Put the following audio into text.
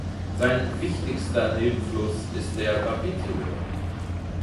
Sein wichtigster Nebenfluss ist der Wapiti River.